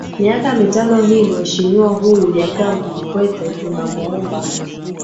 miaka mitano hii mhesimiwa huyu jakaya kikwete tunamwomba